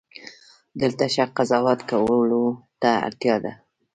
دلته ښه قضاوت کولو ته اړتیا ده.